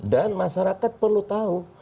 dan masyarakat perlu tahu